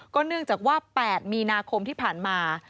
เนื่องจากว่า๘มีนาคมที่ผ่านมา